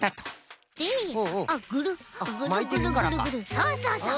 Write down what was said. そうそうそう。